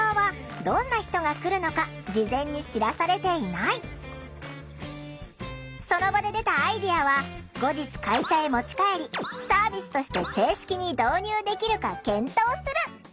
ちなみに店側はその場で出たアイデアは後日会社へ持ち帰りサービスとして正式に導入できるか検討する。